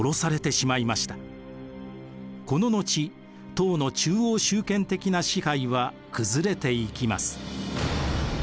この後唐の中央集権的な支配は崩れていきます。